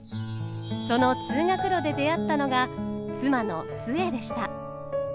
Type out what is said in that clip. その通学路で出会ったのが妻の壽衛でした。